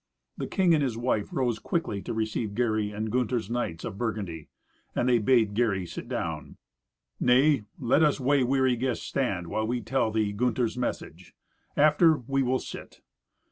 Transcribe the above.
The king and his wife rose quickly to receive Gary and Gunther's knights of Burgundy. And they bade Gary sit down. "Nay, let us way weary guests stand while we tell thee Gunther's message. After, we will sit.